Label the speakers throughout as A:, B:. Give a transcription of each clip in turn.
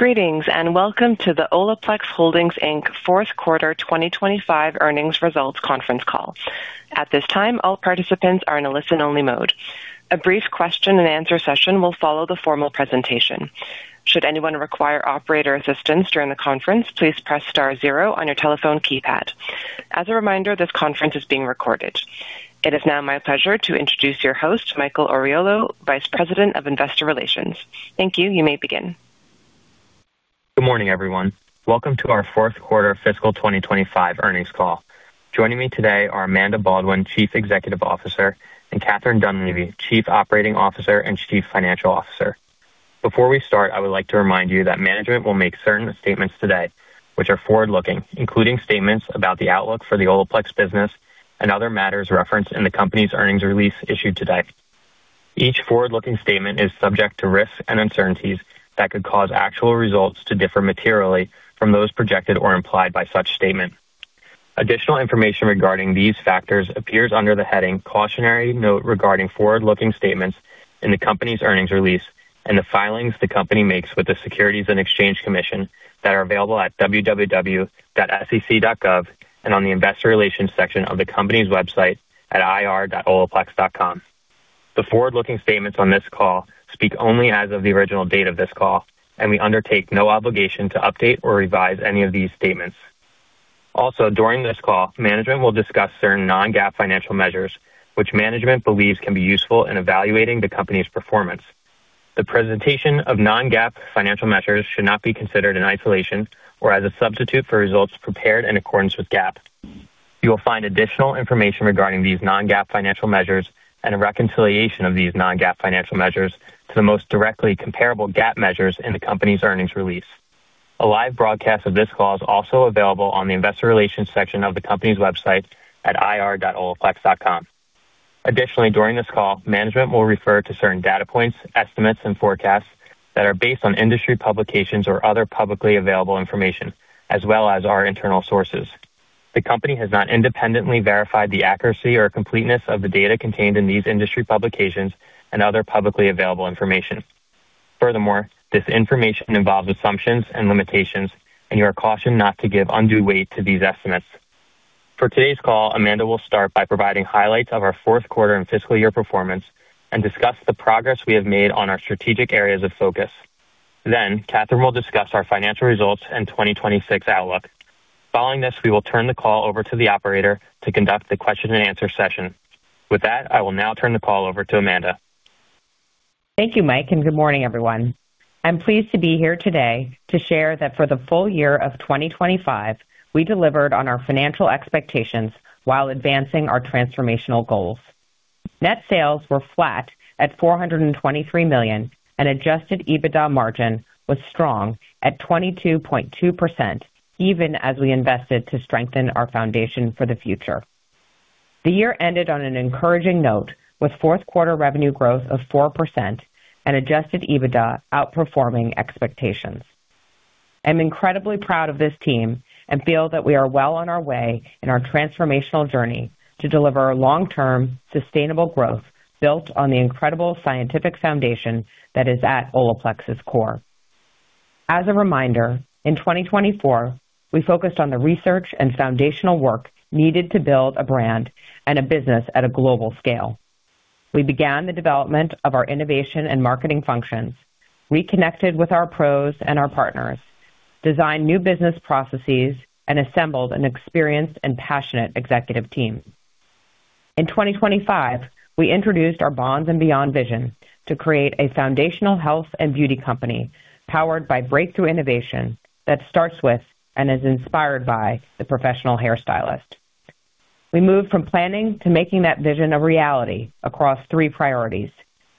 A: Greetings, welcome to the Olaplex Holdings, Inc. Q4 2025 earnings results conference call. At this time, all participants are in a listen-only mode. A brief question-and-answer session will follow the formal presentation. Should anyone require operator assistance during the conference, please press star zero on your telephone keypad. As a reminder, this conference is being recorded. It is now my pleasure to introduce your host, Michael Oriolo, Vice President of Investor Relations. Thank you. You may begin.
B: Good morning, everyone. Welcome to our Q4 fiscal 2025 earnings call. Joining me today are Amanda Baldwin, Chief Executive Officer, and Catherine Dunleavy, Chief Operating Officer and Chief Financial Officer. Before we start, I would like to remind you that management will make certain statements today which are forward-looking, including statements about the outlook for the Olaplex business and other matters referenced in the company's earnings release issued today. Each forward-looking statement is subject to risks and uncertainties that could cause actual results to differ materially from those projected or implied by such statement. Additional information regarding these factors appears under the heading "Cautionary Note regarding forward-looking statements" in the company's earnings release and the filings the company makes with the Securities and Exchange Commission that are available at www.sec.gov and on the investor relations section of the company's website at ir.olaplex.com. The forward-looking statements on this call speak only as of the original date of this call, and we undertake no obligation to update or revise any of these statements. Also, during this call, management will discuss certain non-GAAP financial measures which management believes can be useful in evaluating the company's performance. The presentation of non-GAAP financial measures should not be considered in isolation or as a substitute for results prepared in accordance with GAAP. You will find additional information regarding these non-GAAP financial measures and a reconciliation of these non-GAAP financial measures to the most directly comparable GAAP measures in the company's earnings release. A live broadcast of this call is also available on the investor relations section of the company's website at ir.olaplex.com. Additionally, during this call, management will refer to certain data points, estimates and forecasts that are based on industry publications or other publicly available information as well as our internal sources. The company has not independently verified the accuracy or completeness of the data contained in these industry publications and other publicly available information. This information involves assumptions and limitations, and you are cautioned not to give undue weight to these estimates. For today's call, Amanda will start by providing highlights of our Q4 and FY performance and discuss the progress we have made on our strategic areas of focus. Catherine will discuss our financial results and 2026 outlook. Following this, we will turn the call over to the operator to conduct the question-and-answer session. With that, I will now turn the call over to Amanda.
C: Thank you, Mike. Good morning, everyone. I'm pleased to be here today to share that for the full year of 2025, we delivered on our financial expectations while advancing our transformational goals. Net sales were flat at $423 million, and adjusted EBITDA margin was strong at 22.2% even as we invested to strengthen our foundation for the future. The year ended on an encouraging note with Q4 revenue growth of 4% and adjusted EBITDA outperforming expectations. I'm incredibly proud of this team and feel that we are well on our way in our transformational journey to deliver long-term sustainable growth built on the incredible scientific foundation that is at Olaplex's core. As a reminder, in 2024, we focused on the research and foundational work needed to build a brand and a business at a global scale. We began the development of our innovation and marketing functions, reconnected with our pros and our partners, designed new business processes, and assembled an experienced and passionate executive team. In 2025, we introduced our Bonds and Beyond vision to create a foundational health and beauty company powered by breakthrough innovation that starts with and is inspired by the professional hairstylist. We moved from planning to making that vision a reality across three priorities: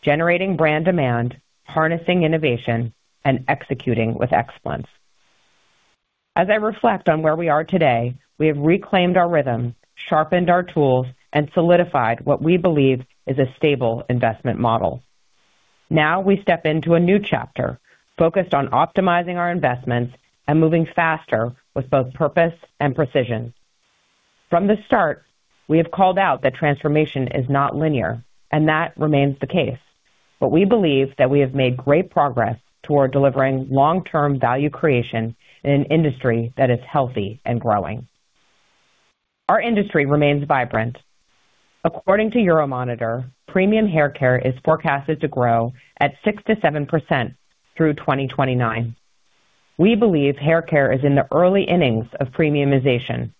C: generating brand demand, harnessing innovation, and executing with excellence. As I reflect on where we are today, we have reclaimed our rhythm, sharpened our tools, and solidified what we believe is a stable investment model. Now we step into a new chapter focused on optimizing our investments and moving faster with both purpose and precision. From the start, we have called out that transformation is not linear, and that remains the case, but we believe that we have made great progress toward delivering long-term value creation in an industry that is healthy and growing. Our industry remains vibrant. According to Euromonitor, premium haircare is forecasted to grow at 6-7% through 2029. We believe haircare is in the early innings of premiumization,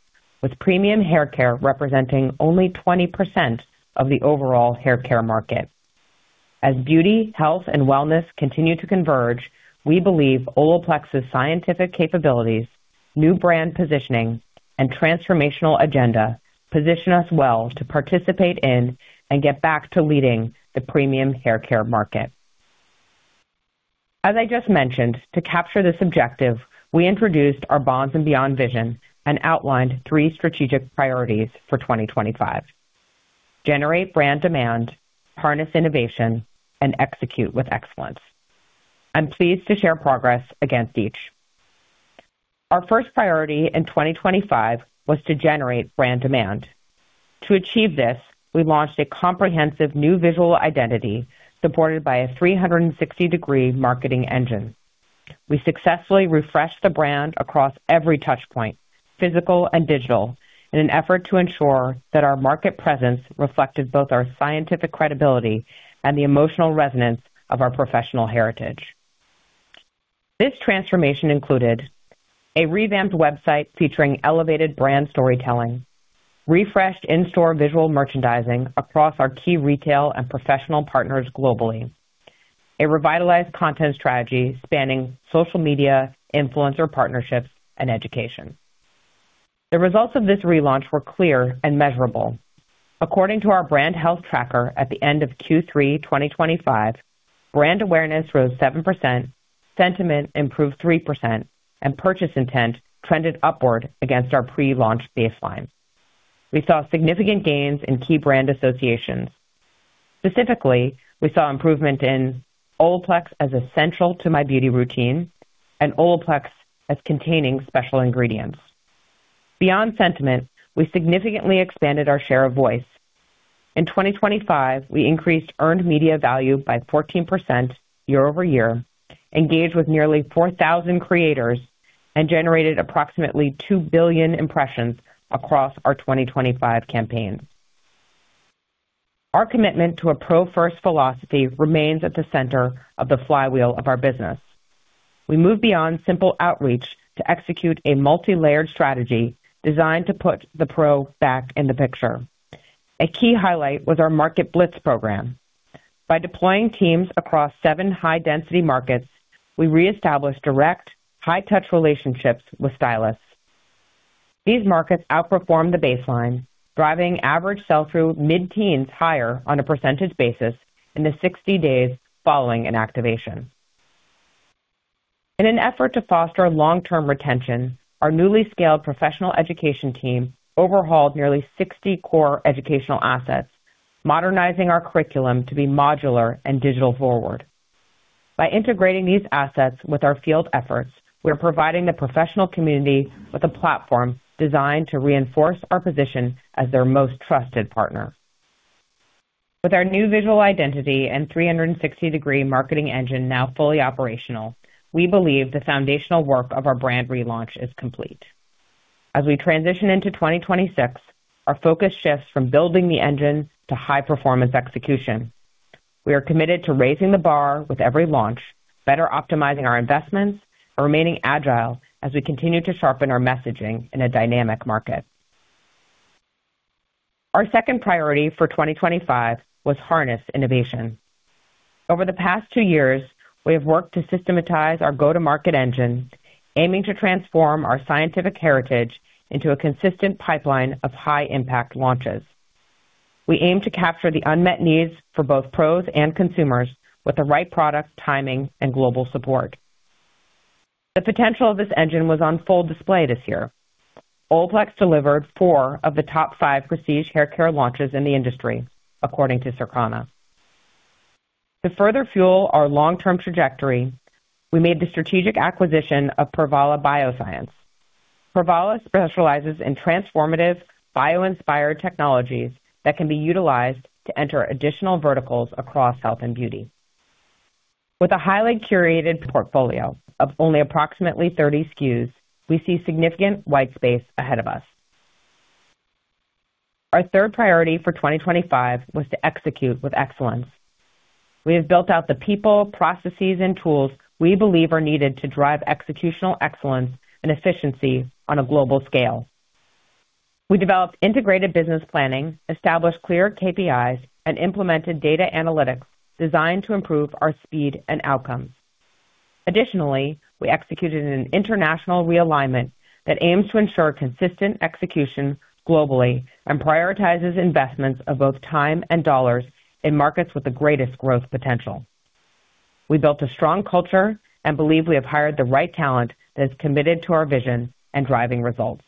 C: with premium haircare representing only 20% of the overall haircare market. As beauty, health, and wellness continue to converge, we believe Olaplex's scientific capabilities, new brand positioning, and transformational agenda position us well to participate in and get back to leading the premium haircare market. As I just mentioned, to capture this objective, we introduced our Bonds and Beyond vision and outlined three strategic priorities for 2025: generate brand demand, harness innovation, and execute with excellence. I'm pleased to share progress against each. Our first priority in 2025 was to generate brand demand. To achieve this, we launched a comprehensive new visual identity supported by a 360 degree marketing engine. We successfully refreshed the brand across every touch point, physical and digital, in an effort to ensure that our market presence reflected both our scientific credibility and the emotional resonance of our professional heritage. This transformation included a revamped website featuring elevated brand storytelling, refreshed in-store visual merchandising across our key retail and professional partners globally, a revitalized content strategy spanning social media, influencer partnerships, and education. The results of this relaunch were clear and measurable. According to our brand health tracker at the end of Q3 2025, brand awareness rose 7%, sentiment improved 3%, and purchase intent trended upward against our pre-launch baseline. We saw significant gains in key brand associations. Specifically, we saw improvement in Olaplex as essential to my beauty routine and Olaplex as containing special ingredients. Beyond sentiment, we significantly expanded our share of voice. In 2025, we increased earned media value by 14% year-over-year, engaged with nearly 4,000 creators, and generated approximately 2 billion impressions across our 2025 campaigns. Our commitment to a pro first philosophy remains at the center of the flywheel of our business. We move beyond simple outreach to execute a multi-layered strategy designed to put the pro back in the picture. A key highlight was our Market Blitz program. By deploying teams across seven high-density markets, we reestablished direct high touch relationships with stylists. These markets outperformed the baseline, driving average sell-through mid-teens higher on a percentage basis in the 60 days following an activation. In an effort to foster long-term retention, our newly scaled professional education team overhauled nearly 60 core educational assets, modernizing our curriculum to be modular and digital forward. By integrating these assets with our field efforts, we are providing the professional community with a platform designed to reinforce our position as their most trusted partner. With our new visual identity and 360-degree marketing engine now fully operational, we believe the foundational work of our brand relaunch is complete. As we transition into 2026, our focus shifts from building the engine to high performance execution. We are committed to raising the bar with every launch, better optimizing our investments, and remaining agile as we continue to sharpen our messaging in a dynamic market. Our second priority for 2025 was harness innovation. Over the past two years, we have worked to systematize our go-to-market engine, aiming to transform our scientific heritage into a consistent pipeline of high impact launches. We aim to capture the unmet needs for both pros and consumers with the right product, timing, and global support. The potential of this engine was on full display this year. Olaplex delivered four of the top five prestige haircare launches in the industry, according to Circana. To further fuel our long-term trajectory, we made the strategic acquisition of Purvala Bioscience. Purvala specializes in transformative bio-inspired technologies that can be utilized to enter additional verticals across health and beauty. With a highly curated portfolio of only approximately 30 SKUs, we see significant white space ahead of us. Our third priority for 2025 was to execute with excellence. We have built out the people, processes, and tools we believe are needed to drive executional excellence and efficiency on a global scale. We developed integrated business planning, established clear KPIs, and implemented data analytics designed to improve our speed and outcomes. Additionally, we executed an international realignment that aims to ensure consistent execution globally and prioritizes investments of both time and dollars in markets with the greatest growth potential. We built a strong culture and believe we have hired the right talent that is committed to our vision and driving results.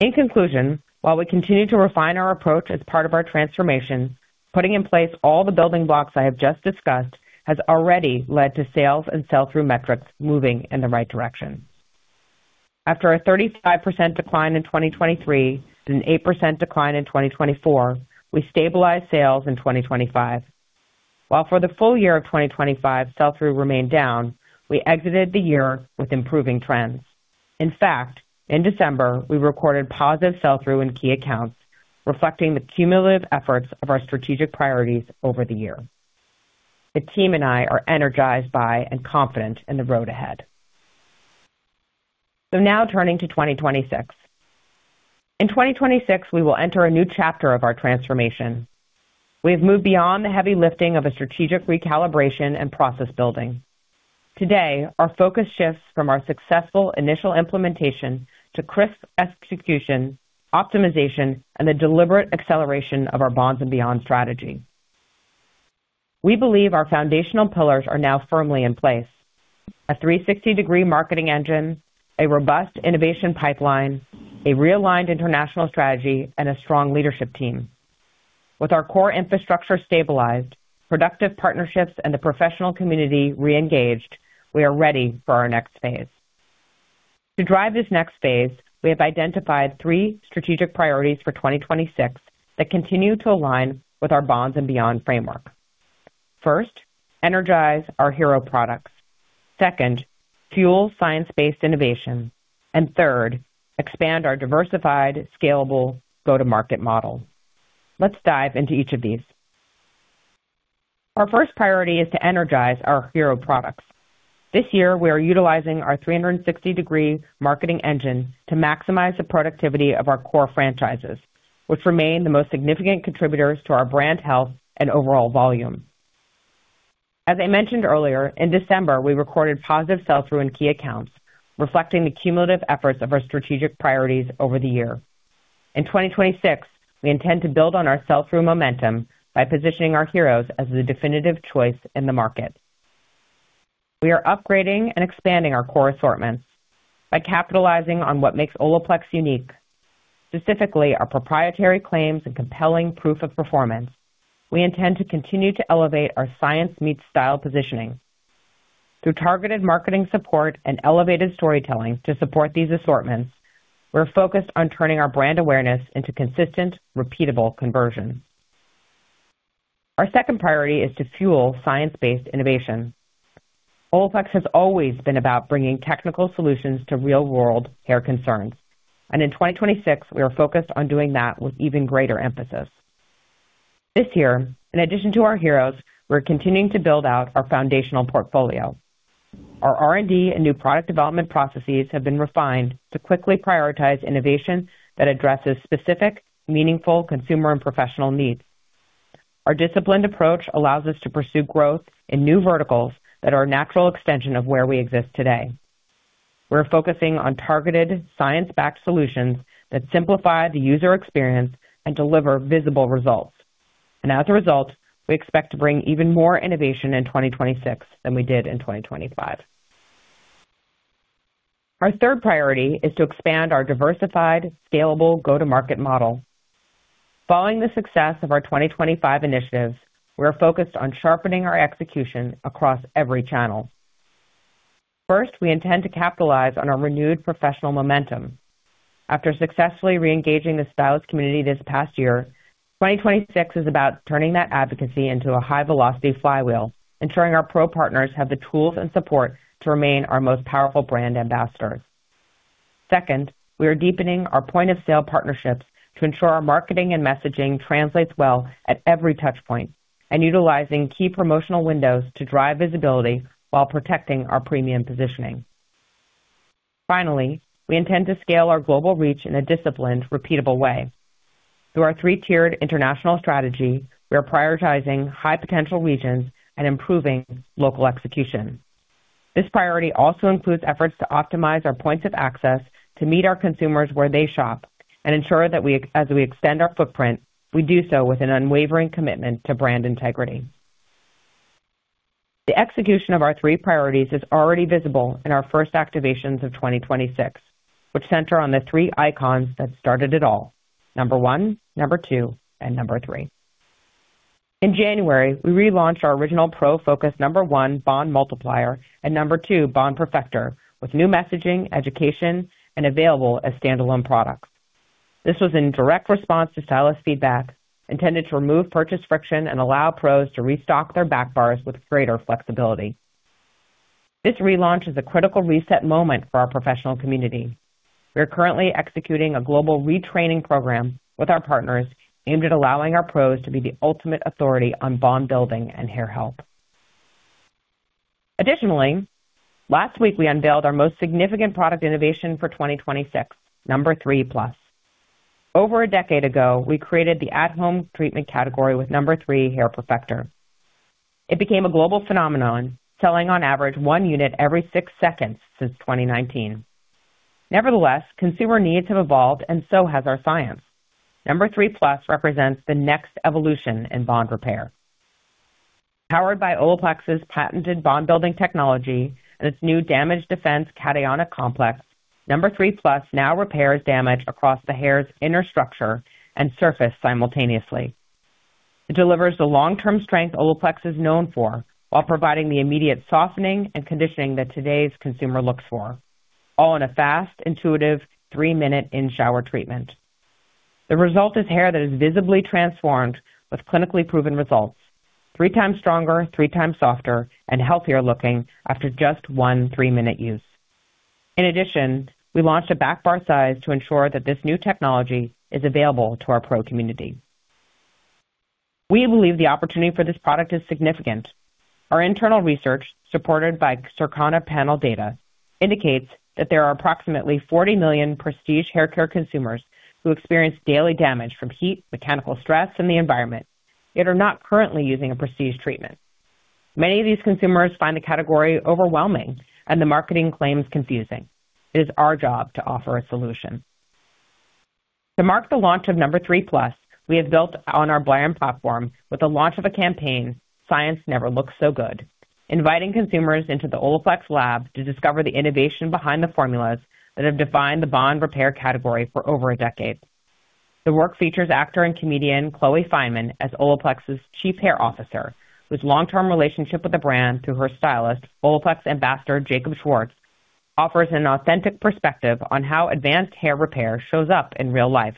C: In conclusion, while we continue to refine our approach as part of our transformation, putting in place all the building blocks I have just discussed has already led to sales and sell-through metrics moving in the right direction. After a 35% decline in 2023 and an 8% decline in 2024, we stabilized sales in 2025. While for the full year of 2025, sell-through remained down, we exited the year with improving trends. In fact, in December, we recorded positive sell-through in key accounts, reflecting the cumulative efforts of our strategic priorities over the year. The team and I are energized by and confident in the road ahead. Now turning to 2026. In 2026, we will enter a new chapter of our transformation. We have moved beyond the heavy lifting of a strategic recalibration and process building. Today, our focus shifts from our successful initial implementation to crisp execution, optimization, and the deliberate acceleration of our Bonds and Beyond strategy. We believe our foundational pillars are now firmly in place. A 360-degree marketing engine, a robust innovation pipeline, a realigned international strategy, and a strong leadership team. With our core infrastructure stabilized, productive partnerships, and the professional community re-engaged, we are ready for our next phase. To drive this next phase, we have identified three strategic priorities for 2026 that continue to align with our Bonds and Beyond framework. First, energize our hero products. Second, fuel science-based innovation. Third, expand our diversified, scalable go-to-market model. Let's dive into each of these. Our first priority is to energize our hero products. This year, we are utilizing our 360-degree marketing engine to maximize the productivity of our core franchises, which remain the most significant contributors to our brand health and overall volume. As I mentioned earlier, in December, we recorded positive sell-through in key accounts, reflecting the cumulative efforts of our strategic priorities over the year. In 2026, we intend to build on our sell-through momentum by positioning our heroes as the definitive choice in the market. We are upgrading and expanding our core assortments by capitalizing on what makes Olaplex unique, specifically our proprietary claims and compelling proof of performance. We intend to continue to elevate our science meets style positioning. Through targeted marketing support and elevated storytelling to support these assortments, we're focused on turning our brand awareness into consistent, repeatable conversion. Our second priority is to fuel science-based innovation. Olaplex has always been about bringing technical solutions to real-world hair concerns, and in 2026, we are focused on doing that with even greater emphasis. This year, in addition to our heroes, we're continuing to build out our foundational portfolio. Our R&D and new product development processes have been refined to quickly prioritize innovation that addresses specific, meaningful consumer and professional needs. Our disciplined approach allows us to pursue growth in new verticals that are a natural extension of where we exist today. We're focusing on targeted science-backed solutions that simplify the user experience and deliver visible results. As a result, we expect to bring even more innovation in 2026 than we did in 2025. Our third priority is to expand our diversified, scalable go-to-market model. Following the success of our 2025 initiatives, we are focused on sharpening our execution across every channel. First, we intend to capitalize on our renewed professional momentum. After successfully re-engaging the stylist community this past year, 2026 is about turning that advocacy into a high-velocity flywheel, ensuring our pro partners have the tools and support to remain our most powerful brand ambassadors. Second, we are deepening our point-of-sale partnerships to ensure our marketing and messaging translates well at every touchpoint and utilizing key promotional windows to drive visibility while protecting our premium positioning. Finally, we intend to scale our global reach in a disciplined, repeatable way. Through our three-tiered international strategy, we are prioritizing high-potential regions and improving local execution. This priority also includes efforts to optimize our points of access to meet our consumers where they shop and ensure that as we extend our footprint, we do so with an unwavering commitment to brand integrity. The execution of our three priorities is already visible in our first activations of 2026, which center on the three icons that started it all: Nº.1, Nº.2, and Nº.3. In January, we relaunched our original pro focus Nº.1 Bond Multiplier and Nº.2 Bond Perfector with new messaging, education, and available as standalone products. This was in direct response to stylist feedback intended to remove purchase friction and allow pros to restock their backbars with greater flexibility. This relaunch is a critical reset moment for our professional community. We are currently executing a global retraining program with our partners aimed at allowing our pros to be the ultimate authority on Bond Building and hair health. Additionally, last week, we unveiled our most significant product innovation for 2026, Nº.3PLUS. Over a decade ago, we created the at-home treatment category with Nº.3 Hair Perfector. It became a global phenomenon, selling on average one unit every 6 seconds since 2019. Nevertheless, consumer needs have evolved, and so has our science. Nº.3PLUS represents the next evolution in bond repair. Powered by Olaplex's patented Bond Building Technology and its new Damage Defense Cationic Complex, Nº.3PLUS now repairs damage across the hair's inner structure and surface simultaneously. It delivers the long-term strength Olaplex is known for while providing the immediate softening and conditioning that today's consumer looks for, all in a fast, intuitive 3-minute in-shower treatment. The result is hair that is visibly transformed with clinically proven results: 3 times stronger, 3 times softer, and healthier looking after just 1 3-minute use. In addition, we launched a backbar size to ensure that this new technology is available to our pro community. We believe the opportunity for this product is significant. Our internal research, supported by Circana panel data, indicates that there are approximately 40 million prestige haircare consumers who experience daily damage from heat, mechanical stress, and the environment, yet are not currently using a prestige treatment. Many of these consumers find the category overwhelming and the marketing claims confusing. It is our job to offer a solution. To mark the launch of Nº.3PLUS, we have built on our brand platform with the launch of a campaign, "Science Never Looked So Good." Inviting consumers into the Olaplex lab to discover the innovation behind the formulas that have defined the bond repair category for over a decade. The work features actor and comedian Chloe Fineman as Olaplex's Chief Hair Officer, whose long-term relationship with the brand through her stylist, Olaplex Ambassador Jacob Schwartz, offers an authentic perspective on how advanced hair repair shows up in real life.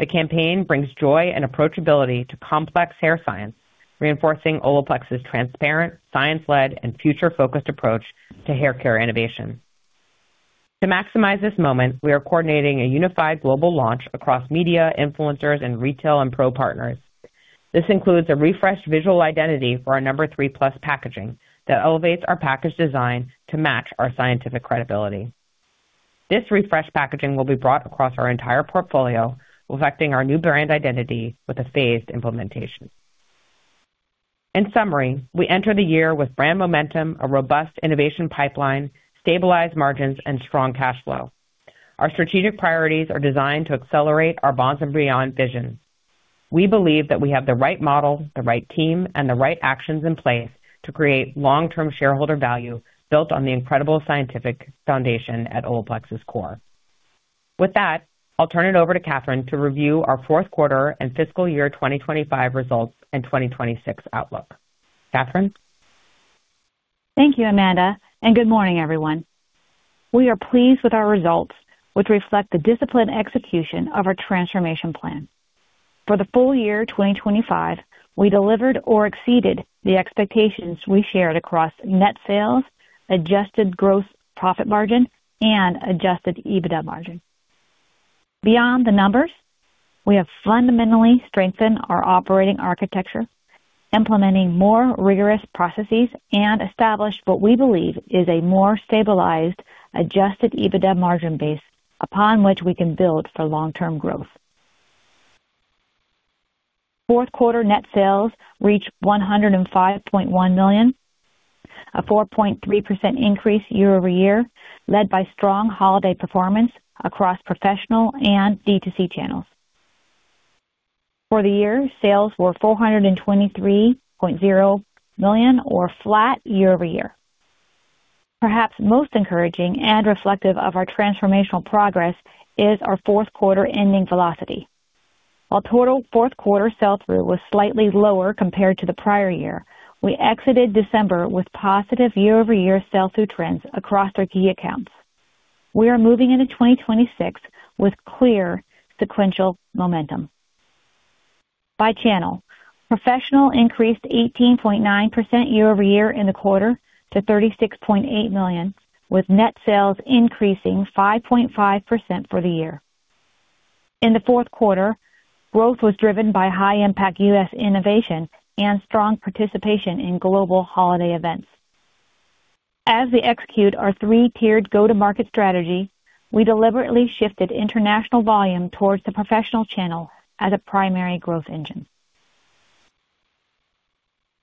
C: The campaign brings joy and approachability to complex hair science, reinforcing Olaplex's transparent, science-led, and future-focused approach to haircare innovation. To maximize this moment, we are coordinating a unified global launch across media, influencers, and retail and pro partners. This includes a refreshed visual identity for our Nº.3PLUS packaging that elevates our package design to match our scientific credibility. This refreshed packaging will be brought across our entire portfolio, reflecting our new brand identity with a phased implementation. In summary, we enter the year with brand momentum, a robust innovation pipeline, stabilized margins, and strong cash flow. Our strategic priorities are designed to accelerate our Bonds and Beyond vision. We believe that we have the right model, the right team, and the right actions in place to create long-term shareholder value built on the incredible scientific foundation at Olaplex's core. With that, I'll turn it over to Catherine to review our Q4 and FY 2025 results and 2026 outlook. Catherine?
D: Thank you, Amanda, and good morning, everyone. We are pleased with our results, which reflect the disciplined execution of our transformation plan. For the full year 2025, we delivered or exceeded the expectations we shared across net sales, adjusted gross profit margin, and adjusted EBITDA margin. Beyond the numbers, we have fundamentally strengthened our operating architecture, implementing more rigorous processes, and established what we believe is a more stabilized adjusted EBITDA margin base upon which we can build for long-term growth. Q4 net sales reached $105.1 million, a 4.3% increase year-over-year, led by strong holiday performance across professional and D2C channels. For the year, sales were $423.0 million or flat year-over-year. Perhaps most encouraging and reflective of our transformational progress is our Q4 ending velocity. While total Q4 sell-through was slightly lower compared to the prior year, we exited December with positive year-over-year sell-through trends across our key accounts. We are moving into 2026 with clear sequential momentum. By channel, professional increased 18.9% year-over-year in the quarter to $36.8 million, with net sales increasing 5.5% for the year. In the Q4, growth was driven by high-impact US innovation and strong participation in global holiday events. As we execute our three-tiered go-to-market strategy, we deliberately shifted international volume towards the professional channel as a primary growth engine.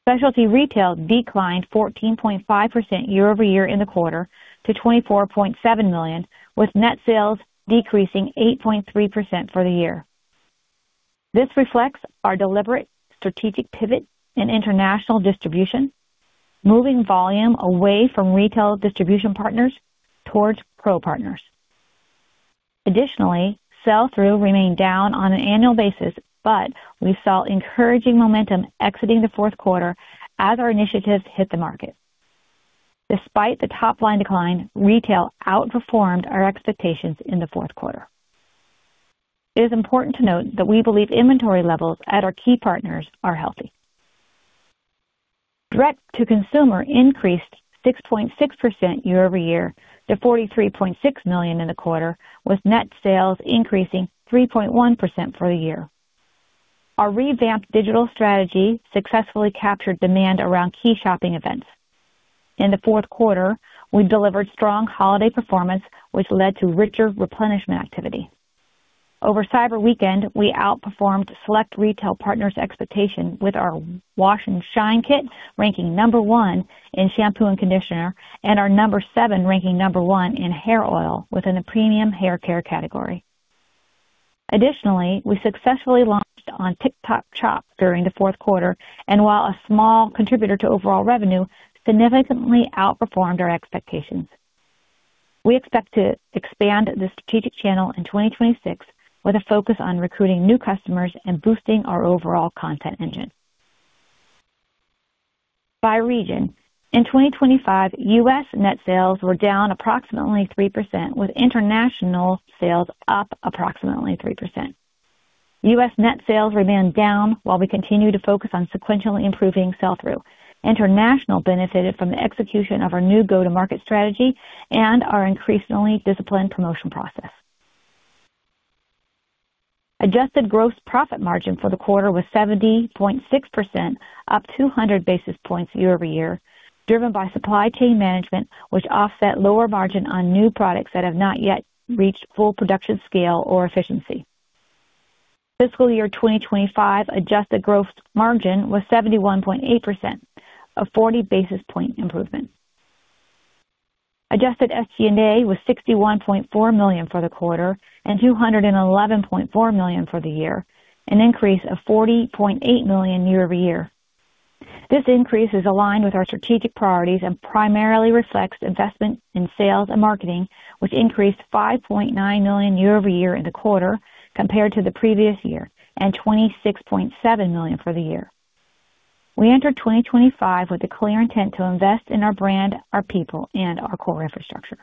D: Specialty retail declined 14.5% year-over-year in the quarter to $24.7 million, with net sales decreasing 8.3% for the year. This reflects our deliberate strategic pivot in international distribution, moving volume away from retail distribution partners towards pro partners. Sell-through remained down on an annual basis, but we saw encouraging momentum exiting the Q4 as our initiatives hit the market. Despite the top-line decline, retail outperformed our expectations in the Q4. It is important to note that we believe inventory levels at our key partners are healthy. Direct-to-consumer increased 6.6% year-over-year to $43.6 million in the quarter, with net sales increasing 3.1% for the year. Our revamped digital strategy successfully captured demand around key shopping events. In the Q4, we delivered strong holiday performance, which led to richer replenishment activity. Over Cyber Weekend, we outperformed select retail partners' expectations with our Wash and Shine kit ranking number one in shampoo and conditioner and our Nº.7 ranking number one in hair oil within the premium haircare category. We successfully launched on TikTok Shop during the Q4, and while a small contributor to overall revenue, significantly outperformed our expectations. We expect to expand this strategic channel in 2026 with a focus on recruiting new customers and boosting our overall content engine. In 2025, US net sales were down approximately 3%, with international sales up approximately 3%. US net sales remained down while we continue to focus on sequentially improving sell-through. International benefited from the execution of our new go-to-market strategy and our increasingly disciplined promotion process. Adjusted gross profit margin for the quarter was 70.6%, up 200 basis points year-over-year, driven by supply chain management, which offset lower margin on new products that have not yet reached full production scale or efficiency. FY 2025 adjusted gross margin was 71.8%, a 40 basis point improvement. Adjusted SG&A was $61.4 million for the quarter and $211.4 million for the year, an increase of $40.8 million year-over-year. This increase is aligned with our strategic priorities and primarily reflects investment in sales and marketing, which increased $5.9 million year-over-year in the quarter compared to the previous year and $26.7 million for the year. We entered 2025 with a clear intent to invest in our brand, our people, and our core infrastructure.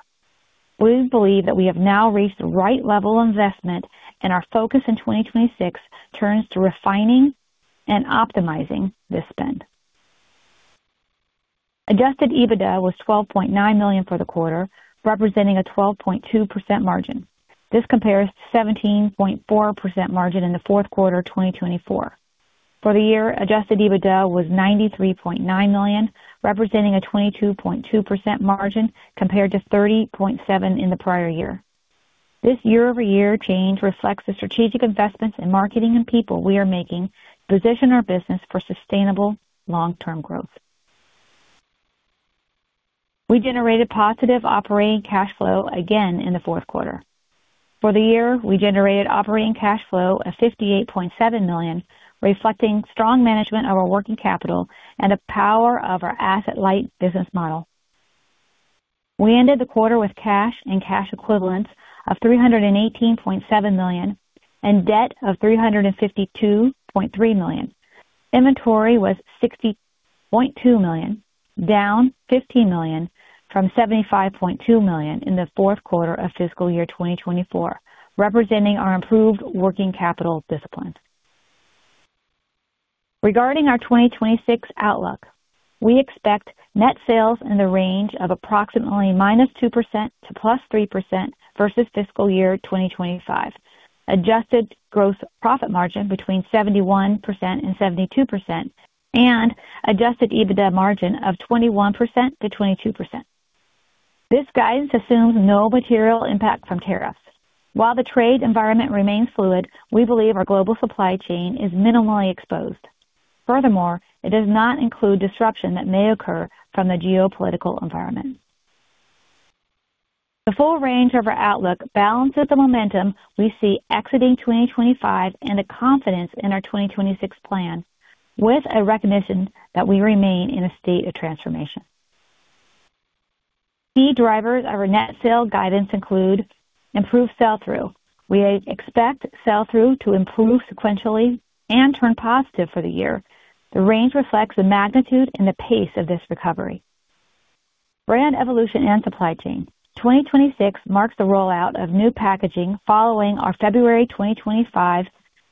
D: We believe that we have now reached the right level of investment and our focus in 2026 turns to refining and optimizing this spend. adjusted EBITDA was $12.9 million for the quarter, representing a 12.2% margin. This compares to 17.4% margin in the Q4 of 2024. For the year, adjusted EBITDA was $93.9 million, representing a 22.2% margin compared to 30.7% in the prior year. This year-over-year change reflects the strategic investments in marketing and people we are making to position our business for sustainable long-term growth. We generated positive operating cash flow again in the Q4. For the year, we generated operating cash flow of $58.7 million, reflecting strong management of our working capital and the power of our asset-light business model. We ended the quarter with cash and cash equivalents of $318.7 million and debt of $352.3 million. Inventory was $60.2 million, down $15 million from $75.2 million in the Q4 of FY 2024, representing our improved working capital discipline. Regarding our 2026 outlook, we expect net sales in the range of approximately -2% to +3% versus FY 2025. Adjusted gross profit margin between 71% and 72% and adjusted EBITDA margin of 21%-22%. This guidance assumes no material impact from tariffs. While the trade environment remains fluid, we believe our global supply chain is minimally exposed. Furthermore, it does not include disruption that may occur from the geopolitical environment. The full range of our outlook balances the momentum we see exiting 2025 and the confidence in our 2026 plan with a recognition that we remain in a state of transformation. Key drivers of our net sales guidance include improved sell-through. We expect sell-through to improve sequentially and turn positive for the year. The range reflects the magnitude and the pace of this recovery. Brand evolution and supply chain. 2026 marks the rollout of new packaging following our February 2025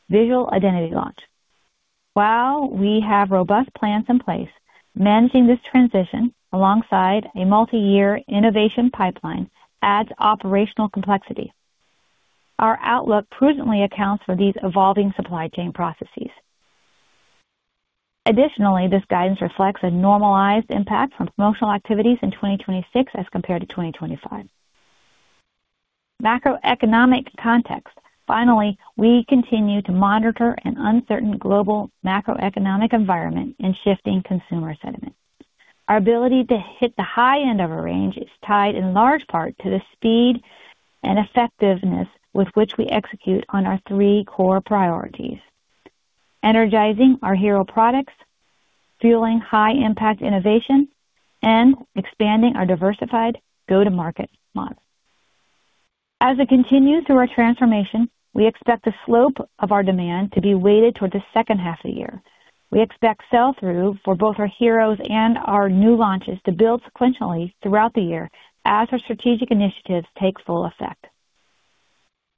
D: visual identity launch. While we have robust plans in place, managing this transition alongside a multi-year innovation pipeline adds operational complexity. Our outlook prudently accounts for these evolving supply chain processes. This guidance reflects a normalized impact from promotional activities in 2026 as compared to 2025. Macroeconomic context. We continue to monitor an uncertain global macroeconomic environment and shifting consumer sentiment. Our ability to hit the high end of a range is tied in large part to the speed and effectiveness with which we execute on our three core priorities: energizing our hero products, fueling high-impact innovation, and expanding our diversified go-to-market model. As we continue through our transformation, we expect the slope of our demand to be weighted towards the second half of the year. We expect sell-through for both our heroes and our new launches to build sequentially throughout the year as our strategic initiatives take full effect.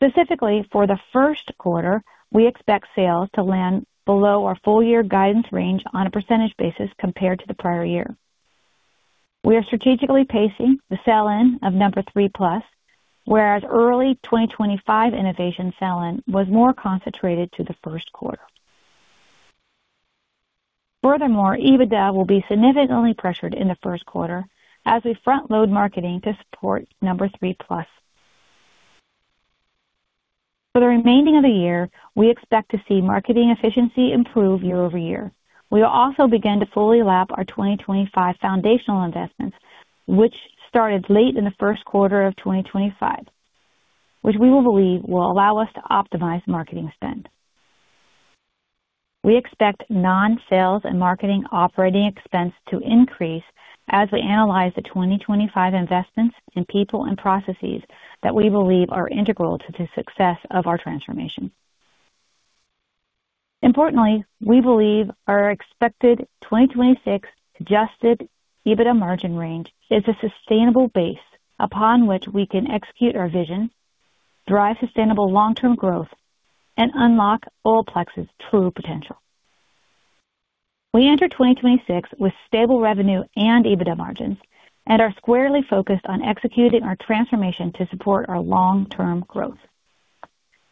D: Specifically, for the Q1, we expect sales to land below our full year guidance range on a percentage basis compared to the prior year. We are strategically pacing the sell-in of Nº.3PLUS, whereas early 2025 innovation sell-in was more concentrated to the Q1. EBITDA will be significantly pressured in the Q1 as we front load marketing to support Nº.3PLUS. For the remaining of the year, we expect to see marketing efficiency improve year-over-year. We will also begin to fully lap our 2025 foundational investments, which started late in the Q1 of 2025, which we will believe will allow us to optimize marketing spend. We expect non-sales and marketing operating expense to increase as we analyze the 2025 investments in people and processes that we believe are integral to the success of our transformation. We believe our expected 2026 adjusted EBITDA margin range is a sustainable base upon which we can execute our vision, drive sustainable long-term growth, and unlock Olaplex's true potential. We enter 2026 with stable revenue and EBITDA margins and are squarely focused on executing our transformation to support our long-term growth.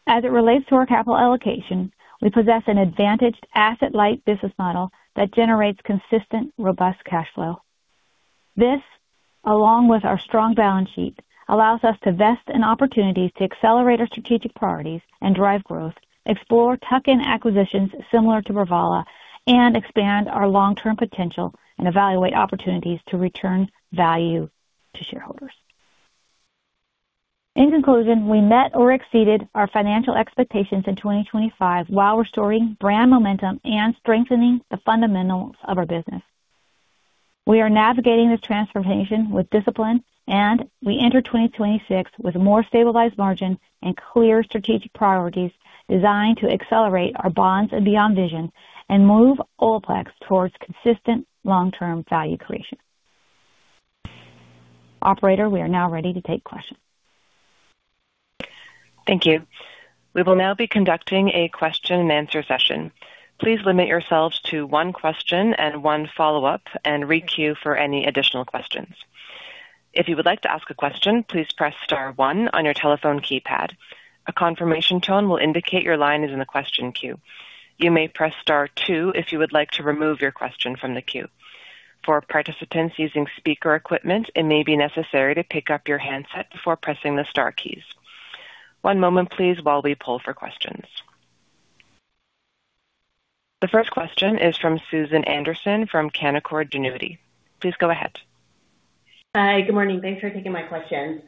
D: As it relates to our capital allocation, we possess an advantaged asset-light business model that generates consistent, robust cash flow. This, along with our strong balance sheet, allows us to invest in opportunities to accelerate our strategic priorities and drive growth, explore tuck-in acquisitions similar to Purvala, and expand our long-term potential and evaluate opportunities to return value to shareholders. In conclusion, we met or exceeded our financial expectations in 2025 while restoring brand momentum and strengthening the fundamentals of our business. We are navigating this transformation with discipline, and we enter 2026 with more stabilized margin and clear strategic priorities designed to accelerate our Bonds and Beyond vision and move Olaplex towards consistent long-term value creation. Operator, we are now ready to take questions.
A: Thank you. We will now be conducting a question and answer session. Please limit yourselves to one question and one follow-up and re-queue for any additional questions. If you would like to ask a question, please press star one on your telephone keypad. A confirmation tone will indicate your line is in the question queue. You may press star two if you would like to remove your question from the queue. For participants using speaker equipment, it may be necessary to pick up your handset before pressing the star keys. One moment please while we pull for questions. The first question is from Susan Anderson from Canaccord Genuity. Please go ahead.
E: Hi. Good morning. Thanks for taking my questions.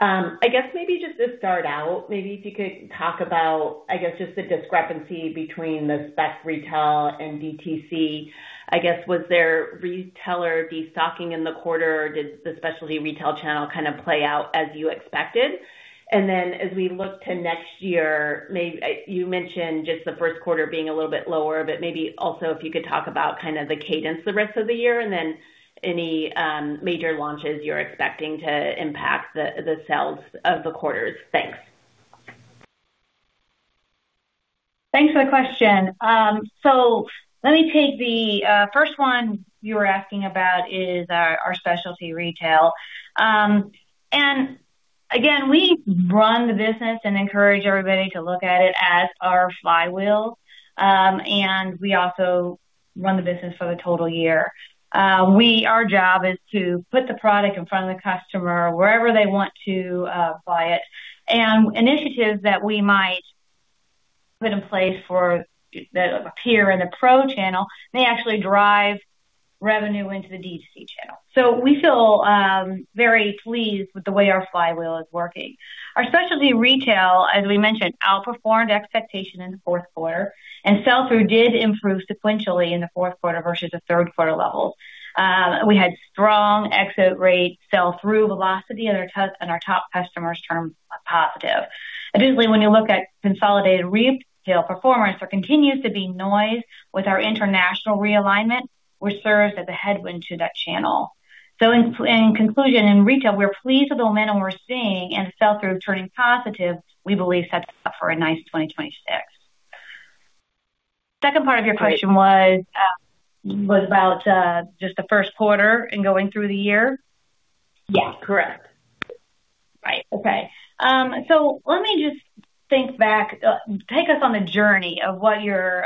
E: I guess maybe just to start out, maybe if you could talk about, I guess, just the discrepancy between the spec retail and DTC? I guess was there retailer destocking in the quarter, or did the specialty retail channel kind of play out as you expected? As we look to next year, You mentioned just the Q1 being a little bit lower, but maybe also if you could talk about kind of the cadence the rest of the year and then any major launches you're expecting to impact the sales of the quarters? Thanks.
D: Thanks for the question. Let me take the first one you were asking about is our specialty retail. Again, we run the business and encourage everybody to look at it as our flywheel. We also run the business for the total year. Our job is to put the product in front of the customer wherever they want to buy it. Initiatives that we might put in place that appear in the pro channel may actually drive revenue into the DTC channel. We feel very pleased with the way our flywheel is working. Our specialty retail, as we mentioned, outperformed expectation in the Q4, and sell-through did improve sequentially in the Q4 versus the Q3 levels. We had strong exit rates, sell-through velocity at our top, in our top customers terms positive. Additionally, when you look at consolidated retail performance, there continues to be noise with our international realignment, which serves as a headwind to that channel. In conclusion, in retail, we're pleased with the momentum we're seeing and sell-through turning positive, we believe sets us up for a nice 2026. Second part of your question was about just the Q1 and going through the year.
E: Yeah, correct.
D: Right. Okay. Let me just think back. Take us on the journey of where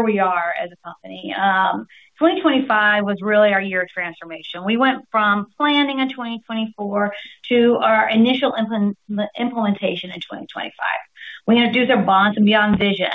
D: we are as a company. 2025 was really our year of transformation. We went from planning in 2024 to our initial implementation in 2025. We introduced our Bonds and Beyond vision.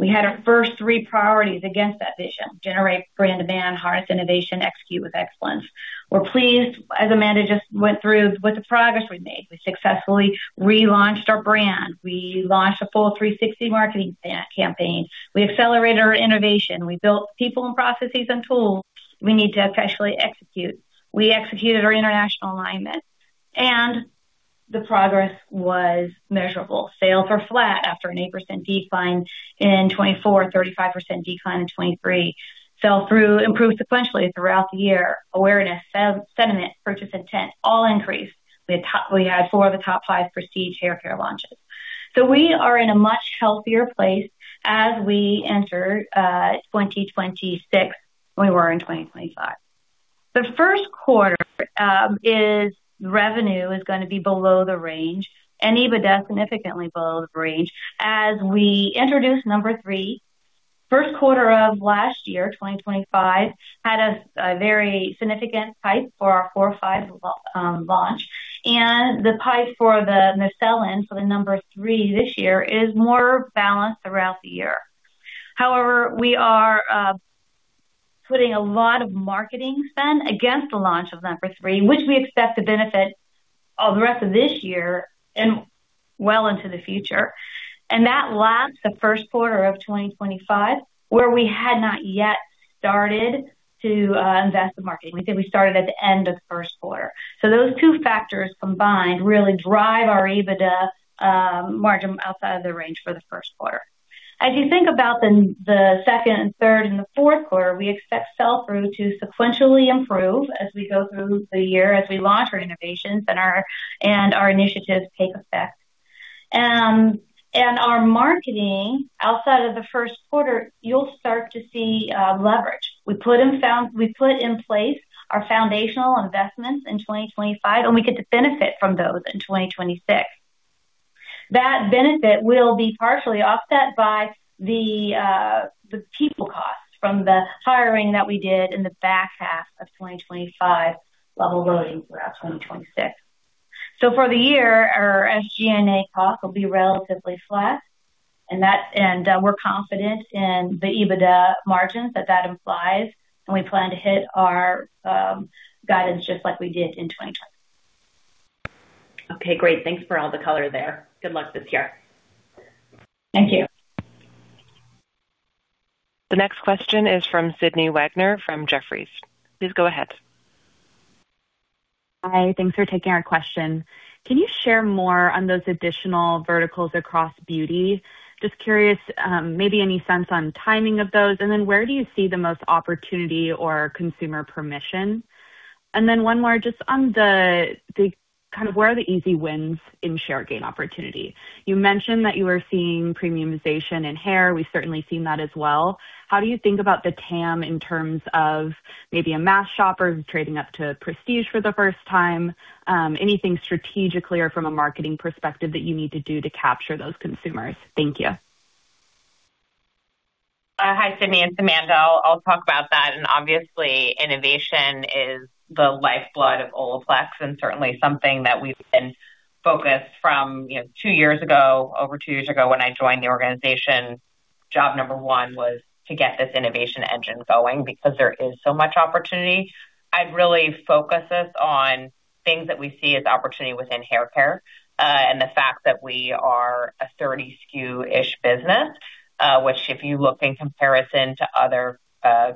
D: We had our first three priorities against that vision: generate brand demand, harness innovation, execute with excellence. We're pleased, as Amanda just went through, with the progress we've made. We successfully relaunched our brand. We launched a full 360 marketing campaign. We accelerated our innovation. We built people and processes and tools we need to effectively execute. We executed our international alignment. The progress was measurable. Sales were flat after an 8% decline in 2024, 35% decline in 2023. Sell-through improved sequentially throughout the year. Awareness, sentiment, purchase intent all increased. We had four of the top five prestige haircare launches. We are in a much healthier place as we enter 2026 than we were in 2025. The Q1, revenue is going to be below the range and EBITDA significantly below the range. As we introduced Number Three, Q1 of last year, 2025, had a very significant pipe for our four or five launch. The pipe for the sell-in, so the Number Three this year, is more balanced throughout the year. However, we are putting a lot of marketing spend against the launch of Number Three, which we expect to benefit all the rest of this year and well into the future. That laps the Q1 of 2025, where we had not yet started to invest in marketing. We said we started at the end of 1st quarter. Those two factors combined really drive our EBITDA margin outside of the range for the 1st quarter. As you think about the 2nd and 3rd and the 4th quarter, we expect sell-through to sequentially improve as we go through the year, as we launch our innovations and our initiatives take effect. Our marketing outside of the 1st quarter, you'll start to see leverage. We put in place our foundational investments in 2025, and we get to benefit from those in 2026. That benefit will be partially offset by the people cost from the hiring that we did in the back half of 2025 level loading throughout 2026. For the year, our SG&A costs will be relatively flat. We're confident in the EBITDA margins that that implies, and we plan to hit our guidance just like we did in 2020.
E: Okay, great. Thanks for all the color there. Good luck this year.
D: Thank you.
A: The next question is from Sydney Wagner from Jefferies. Please go ahead.
F: Hi. Thanks for taking our question. Can you share more on those additional verticals across beauty? Just curious, maybe any sense on timing of those. Where do you see the most opportunity or consumer permission? One more just on the kind of where are the easy wins in share gain opportunity. You mentioned that you were seeing premiumization in hair. We've certainly seen that as well. How do you think about the TAM in terms of maybe a mass shopper trading up to prestige for the first time? Anything strategically or from a marketing perspective that you need to do to capture those consumers? Thank you.
C: Hi, Sydney. It's Amanda. I'll talk about that. Obviously, innovation is the lifeblood of Olaplex and certainly something that we've been focused from, you know, two years ago, over two years ago when I joined the organization. Job number one was to get this innovation engine going because there is so much opportunity. I'd really focus us on things that we see as opportunity within hair care, and the fact that we are a 30 SKU-ish business, which if you look in comparison to other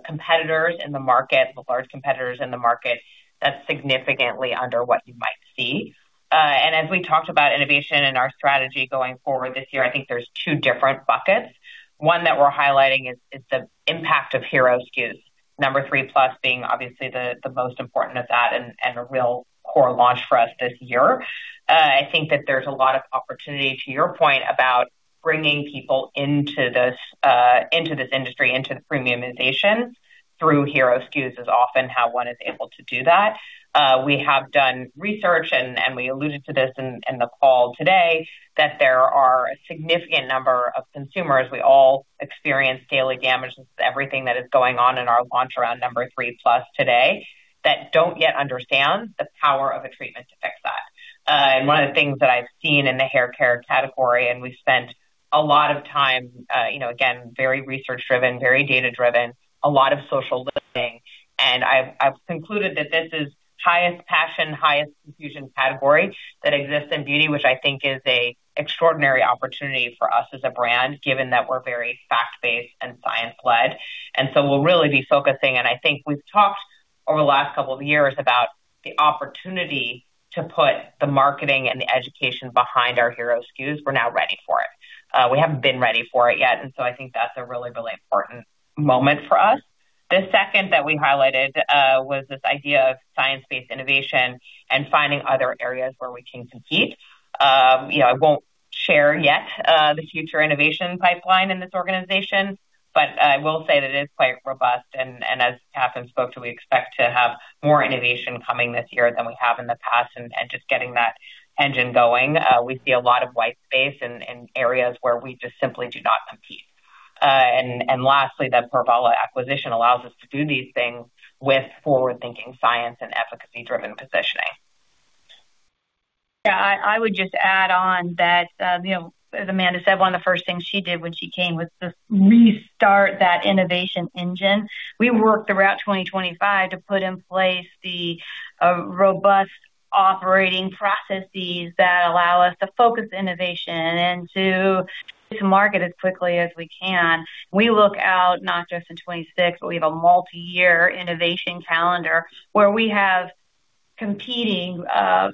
C: competitors in the market, the large competitors in the market, that's significantly under what you might see. As we talked about innovation and our strategy going forward this year, I think there's two different buckets. One that we're highlighting is the impact of hero SKUs. Nº.3PLUS being obviously the most important of that and a real core launch for us this year. I think that there's a lot of opportunity to your point about bringing people into this industry, into the premiumization through hero SKUs is often how one is able to do that. We have done research and we alluded to this in the call today, that there are a significant number of consumers we all experience daily damage. This is everything that is going on in our launch around Nº.3PLUS today that don't yet understand the power of a treatment to fix that. One of the things that I've seen in the hair care category, and we've spent a lot of time, you know, again, very research-driven, very data-driven, a lot of social listening, I've concluded that this is highest passion, highest confusion category that exists in beauty, which I think is a extraordinary opportunity for us as a brand, given that we're very fact-based and science-led. We'll really be focusing, and I think we've talked over the last couple of years about the opportunity to put the marketing and the education behind our hero SKUs. We're now ready for it. We haven't been ready for it yet, I think that's a really, really important moment for us. The second that we highlighted, was this idea of science-based innovation and finding other areas where we can compete. You know, I won't share yet, the future innovation pipeline in this organization, but I will say that it is quite robust and as Catherine spoke to, we expect to have more innovation coming this year than we have in the past and just getting that engine going. We see a lot of white space in areas where we just simply do not compete. Lastly, the Purvala acquisition allows us to do these things with forward-thinking science and efficacy-driven positioning.
D: Yeah. I would just add on that, you know, as Amanda said, one of the first things she did when she came was to restart that innovation engine. We worked throughout 2025 to put in place the robust operating processes that allow us to focus innovation and to market as quickly as we can. We look out not just in 2026, but we have a multi-year innovation calendar where we have competing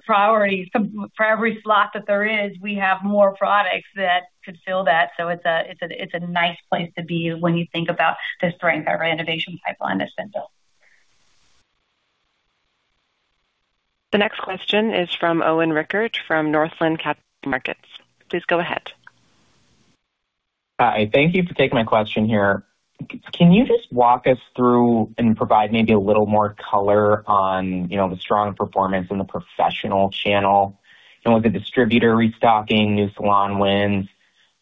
D: priorities. For every slot that there is, we have more products that could fill that. It's a nice place to be when you think about the strength of our innovation pipeline that's been built.
A: The next question is from Owen Rickert from Northland Capital Markets. Please go ahead.
G: Hi. Thank you for taking my question here. Can you just walk us through and provide maybe a little more color on, you know, the strong performance in the professional channel? You know, with the distributor restocking, new salon wins,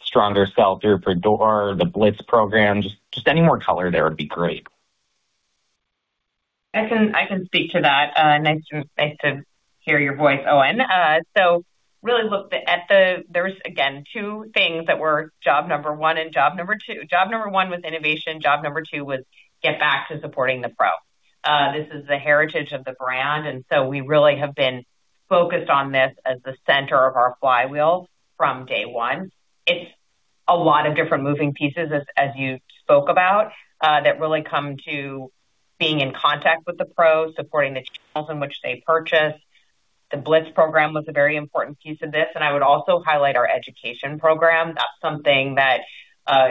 G: stronger sell-through for door, the Blitz program, just any more color there would be great.
C: I can speak to that. Nice to hear your voice, Owen. Really look at there's again two things that were job number one and job number two. Job number one was innovation. Job number two was get back to supporting the pro. This is the heritage of the brand, we really have been focused on this as the center of our flywheel from day one. It's a lot of different moving pieces, as you spoke about, that really come to being in contact with the pro, supporting the channels in which they purchase. The Blitz program was a very important piece of this, and I would also highlight our education program. That's something that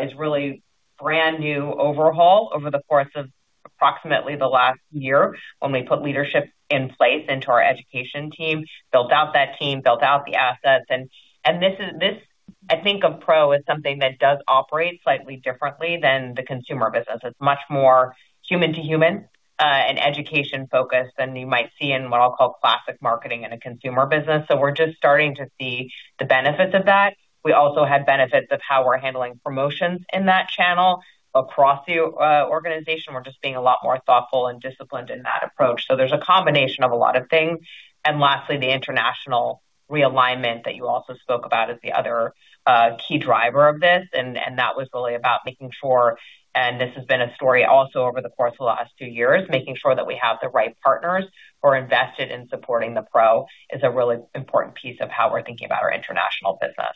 C: is really brand-new overhaul over the course of approximately the last year when we put leadership in place into our education team, built out that team, built out the assets. This I think of pro as something that does operate slightly differently than the consumer business. It's much more human to human. An education focus than you might see in what I'll call classic marketing in a consumer business. We're just starting to see the benefits of that. We also had benefits of how we're handling promotions in that channel across the organization. We're just being a lot more thoughtful and disciplined in that approach. There's a combination of a lot of things. Lastly, the international realignment that you also spoke about is the other key driver of this. That was really about making sure, and this has been a story also over the course of the last two years, making sure that we have the right partners who are invested in supporting the pro is a really important piece of how we're thinking about our international business.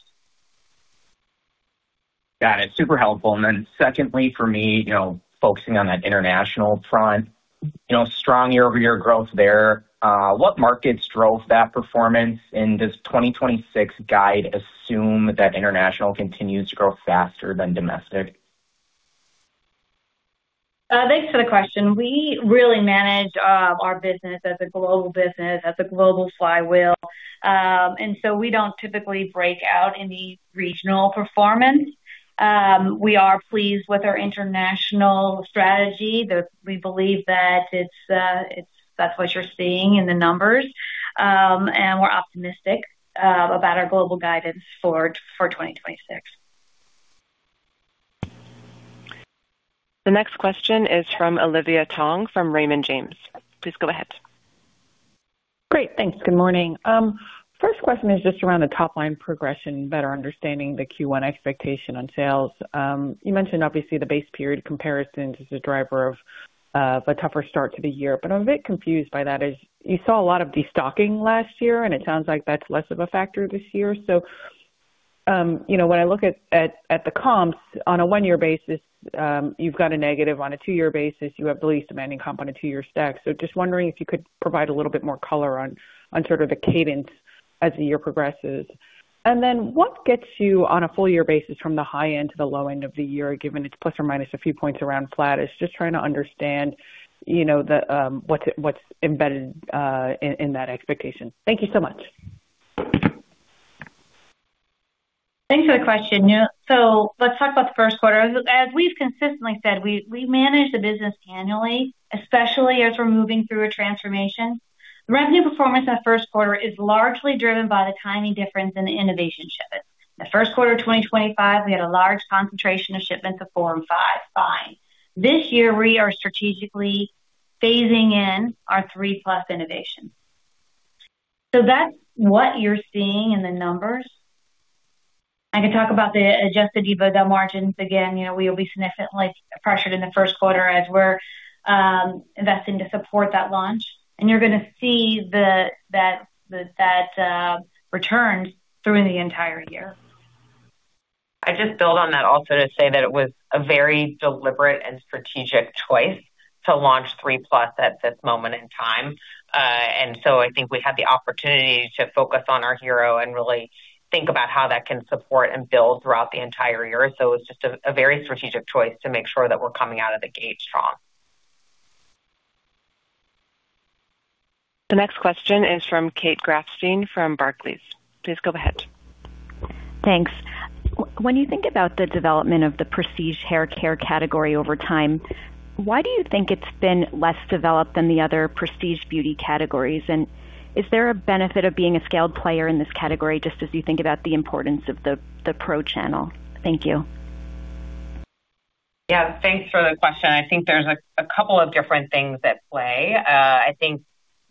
G: Got it. Super helpful. Secondly, for me, you know, focusing on that international front, you know, strong year-over-year growth there. What markets drove that performance? Does 2026 guide assume that international continues to grow faster than domestic?
D: Thanks for the question. We really manage our business as a global business, as a global flywheel. We don't typically break out any regional performance. We are pleased with our international strategy. We believe that it's that's what you're seeing in the numbers. We're optimistic about our global guidance for 2026.
A: The next question is from Olivia Tong from Raymond James. Please go ahead.
H: Great. Thanks. Good morning. First question is just around the top line progression, better understanding the Q1 expectation on sales. You mentioned obviously the base period comparison to the driver of the tougher start to the year, but I'm a bit confused by that is you saw a lot of destocking last year, and it sounds like that's less of a factor this year. When I look at the comps on a one-year basis, you've got a negative on a two-year basis, you have belief demanding comp on a two-year stack. Just wondering if you could provide a little bit more color on sort of the cadence as the year progresses. What gets you on a full year basis from the high end to the low end of the year, given it's plus or minus a few points around flat? It's just trying to understand, you know, the what's embedded in that expectation. Thank you so much.
D: Thanks for the question. Yeah. Let's talk about the Q1. As, as we've consistently said, we manage the business annually, especially as we're moving through a transformation. The revenue performance in the Q1 is largely driven by the timing difference in the innovation shipments. The Q1 of 2025, we had a large concentration of shipments of Form Five Fine. This year we are strategically phasing in our 3PLUS innovation. That's what you're seeing in the numbers. I can talk about the adjusted EBITDA margins again. You know, we'll be significantly pressured in the Q1 as we're investing to support that launch. You're gonna see that return through the entire year.
C: I just build on that also to say that it was a very deliberate and strategic choice to launch 3PLUS at this moment in time. I think we have the opportunity to focus on our hero and really think about how that can support and build throughout the entire year. It's just a very strategic choice to make sure that we're coming out of the gate strong.
A: The next question is from Kate Grafstein from Barclays. Please go ahead.
I: Thanks. When you think about the development of the prestige haircare category over time, why do you think it's been less developed than the other prestige beauty categories? Is there a benefit of being a scaled player in this category, just as you think about the importance of the pro channel? Thank you.
C: Thanks for the question. I think there's a couple of different things at play. I think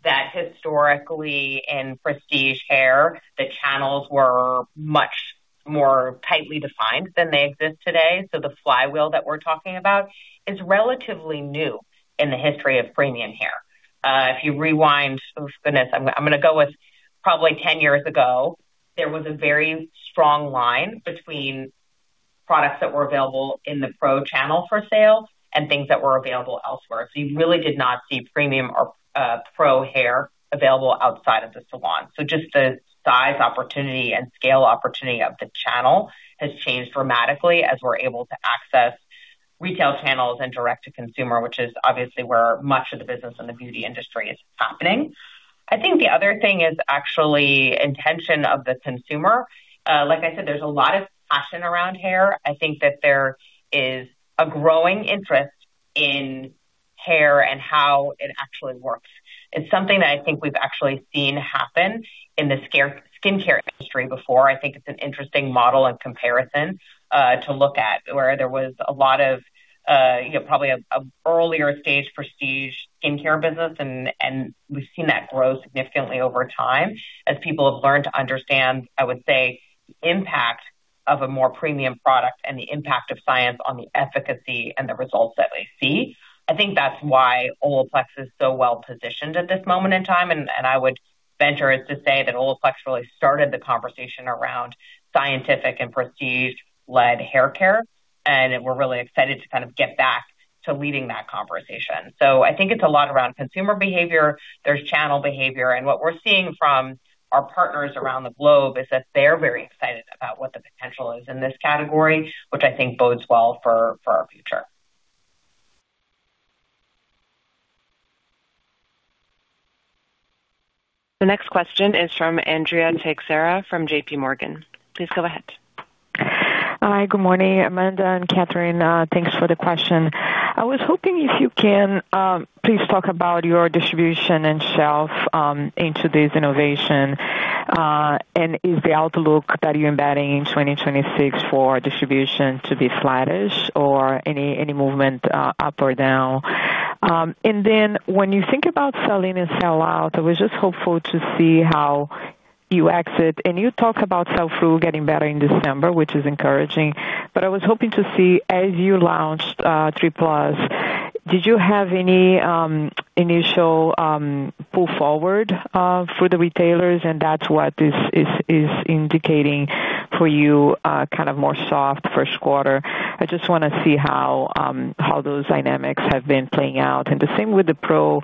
C: that historically in prestige hair, the channels were much more tightly defined than they exist today. The flywheel that we're talking about is relatively new in the history of premium hair. If you rewind, I'm gonna go with probably 10 years ago, there was a very strong line between products that were available in the pro channel for sale and things that were available elsewhere. You really did not see premium or pro hair available outside of the salon. Just the size opportunity and scale opportunity of the channel has changed dramatically as we're able to access retail channels and direct to consumer, which is obviously where much of the business in the beauty industry is happening. I think the other thing is actually intention of the consumer. like I said, there's a lot of passion around hair. I think that there is a growing interest in hair and how it actually works. It's something that I think we've actually seen happen in the skincare industry before. I think it's an interesting model of comparison, to look at, where there was a lot of, you know, probably a earlier stage prestige skincare business and we've seen that grow significantly over time as people have learned to understand, I would say, impact of a more premium product and the impact of science on the efficacy and the results that they see. I think that's why Olaplex is so well-positioned at this moment in time, and I would venture as to say that Olaplex really started the conversation around scientific and prestige-led haircare, and we're really excited to kind of get back to leading that conversation. I think it's a lot around consumer behavior. There's channel behavior, and what we're seeing from our partners around the globe is that they're very excited about what the potential is in this category, which I think bodes well for our future.
A: The next question is from Andrea Teixeira from JPMorgan. Please go ahead.
J: Hi, good morning, Amanda and Catherine. Thanks for the question. I was hoping if you can please talk about your distribution and shelf into this innovation. Is the outlook that you're embedding in 2026 for distribution to be flattish or any movement up or down? Then when you think about sell-in and sell out, I was just hopeful to see how you exit and you talk about sell-through getting better in December, which is encouraging. I was hoping to see as you launched Nº.3PLUS, did you have any initial pull forward for the retailers and that's what is indicating for you kind of more soft Q1? I just wanna see how those dynamics have been playing out. The same with the pro,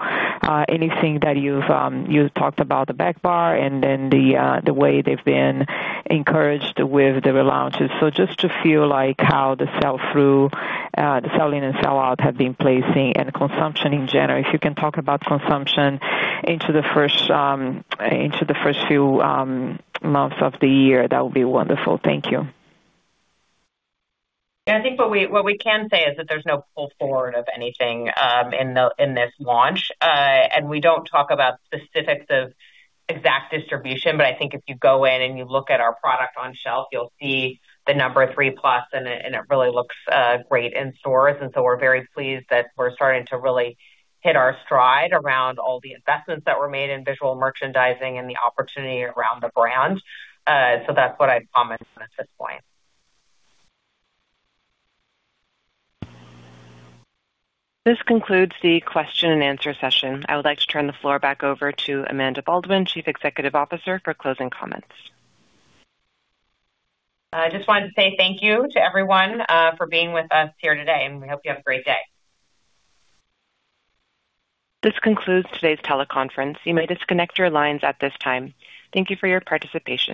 J: anything that you've, you talked about the back bar and then the way they've been encouraged with the relaunches, just to feel like how the sell-through, the sell-in and sell-out have been placing and consumption in general. If you can talk about consumption into the first, into the first few months of the year, that would be wonderful. Thank you.
C: I think what we can say is that there's no pull forward of anything in this launch. We don't talk about specifics of exact distribution, but I think if you go in and you look at our product on shelf, you'll see the Nº.3PLUS and it really looks great in stores. We're very pleased that we're starting to really hit our stride around all the investments that were made in visual merchandising and the opportunity around the brand. That's what I'd comment on at this point.
A: This concludes the question and answer session. I would like to turn the floor back over to Amanda Baldwin, Chief Executive Officer, for closing comments.
C: I just wanted to say thank you to everyone, for being with us here today, and we hope you have a great day.
A: This concludes today's teleconference. You may disconnect your lines at this time. Thank you for your participation.